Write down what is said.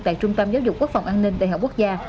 tại trung tâm giáo dục quốc phòng an ninh đại học quốc gia